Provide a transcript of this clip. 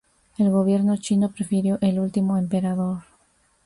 El gobierno chino prefirió "El último emperador".